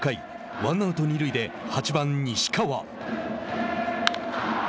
ワンアウト二塁で８番西川。